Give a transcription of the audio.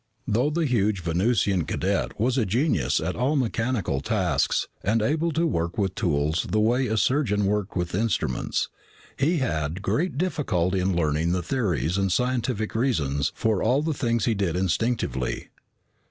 Though the huge Venusian cadet was a genius at all mechanical tasks, and able to work with tools the way a surgeon worked with instruments, he had great difficulty in learning the theories and scientific reasons for all the things he did instinctively.